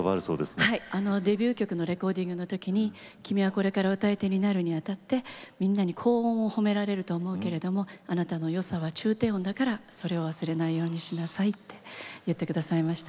デビュー曲のレコーディングの時に「君はこれから歌い手になるにあたってみんなに高音を褒められると思うけれどもあなたのよさは中低音だからそれを忘れないようにしなさい」って言って下さいました。